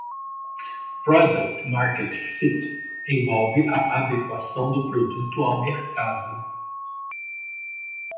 Product-Market Fit envolve a adequação do produto ao mercado.